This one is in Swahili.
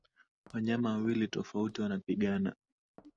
Wanyama wawili tofauti wanapigana